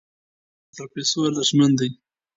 اعتبار تر پیسو ارزښتمن دی.